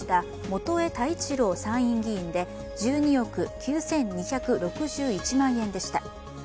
元栄太一郎参院議員で、１２億９２６１万円でした。